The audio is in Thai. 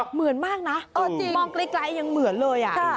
เหมือนมากนะมองไกลยังเหมือนเลย